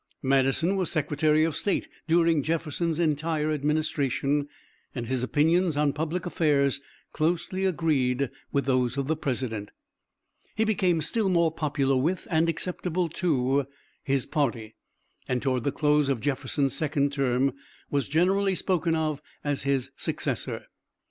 Madison was Secretary of State during Jefferson's entire administration, and his opinions on public affairs closely agreed with those of the President. He became still more popular with, and acceptable to, his party and toward the close of Jefferson's second term was generally spoken of as his successor.